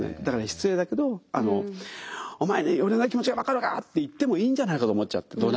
だから失礼だけど「お前に俺の気持ちが分かるか」って言ってもいいんじゃないかと思っちゃって。